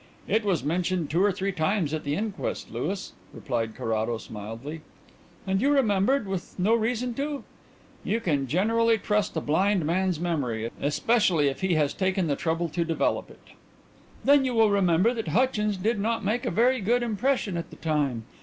"It was mentioned two or three times at the inquest, Louis," replied Carrados mildly. "And you remembered with no reason to?" "You can generally trust a blind man's memory, especially if he has taken the trouble to develop it." "Then you will remember that Hutchins did not make a very good impression at the time.